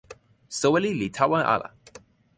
soweli li tawa ala.